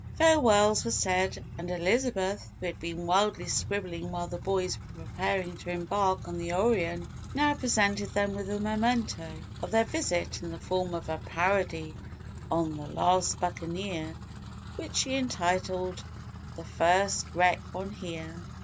Farewells were said and Elizabeth, who had been wildly scribbling while the boys were preparing to embark on the Orion, now presented them with a memento of their visit in the form of a parody on "The Last Buccaneer" which she entitled "The First Wreck on Here."